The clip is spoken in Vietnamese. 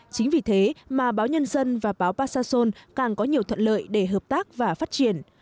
chính vì thế mà báo nhân dân và báo pa sa son càng có nhiều thuận lợi để hợp tác và phát triển